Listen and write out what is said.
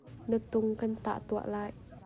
Na tung kan tah tuah lai.